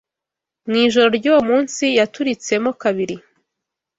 Mwijoro ry’uwo munsi yaturitsemo kabiri